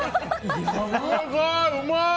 うまい！